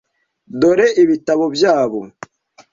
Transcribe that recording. Dore ibitabo byabo.